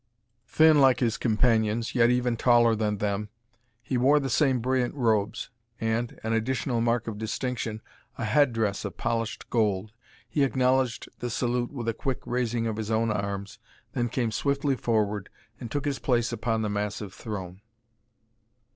Thin like his companions, yet even taller than them, he wore the same brilliant robes and, an additional mark of distinction, a head dress of polished gold. He acknowledged the salute with a quick raising of his own arms, then came swiftly forward and took his place upon the massive throne.